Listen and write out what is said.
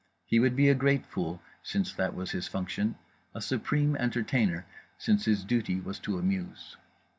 He would be a great fool, since that was his function; a supreme entertainer, since his duty was to amuse.